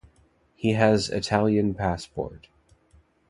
He has Italian passport.